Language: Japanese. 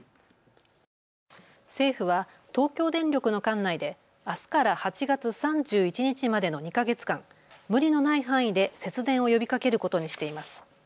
政府は東京電力の管内であすから８月３１日までの２か月間、無理のない範囲で節電を呼びかけることにしています。